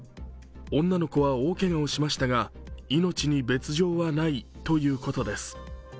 女の子は大けがをしましたが命に別状はないということです。